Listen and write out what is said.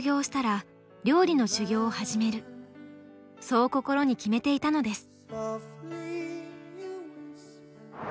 そう心に決めていたのです。